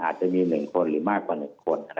อาจจะมี๑คนหรือมากกว่า๑คน